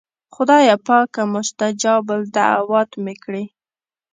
خدایه پاکه مستجاب الدعوات مې کړې.